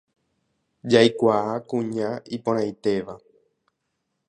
Jaikuaava kuña iporãitéva.